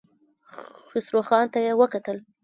خسرو خان ته يې وکتل.